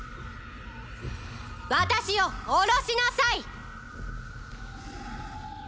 私を下ろしなさい！